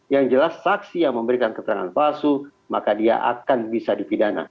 yang jelas saksi yang memberikan keterangan palsu maka dia akan bisa dipidana